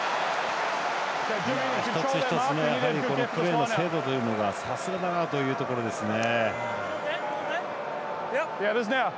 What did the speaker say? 一つ一つのプレーの精度がさすがだなというところですね。